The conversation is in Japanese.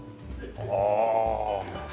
ああ。